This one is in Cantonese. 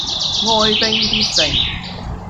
哀兵必勝